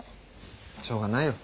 しょうがないよ。